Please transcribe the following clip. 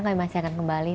kami masih akan kembali